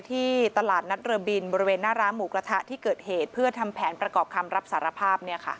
ที่ตลาดนัดเรือบินบริเวณหน้าร้านหมูกระทะที่เกิดเหตุเพื่อทำแผนประกอบคำรับสารภาพ